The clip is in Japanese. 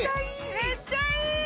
めっちゃいい！